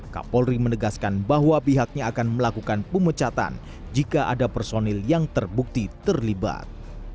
kapolri menegaskan bahwa pihaknya akan melakukan pemecatan jika ada personil yang terbukti terlibat